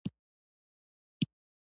سیند ژوند لري.